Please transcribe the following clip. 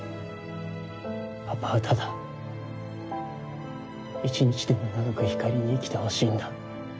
パパはただ１日でも長くひかりに生きてほしいんだ。